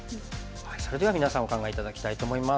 それでは皆さんお考え頂きたいと思います。